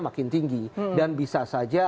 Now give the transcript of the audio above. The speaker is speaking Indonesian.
makin tinggi dan bisa saja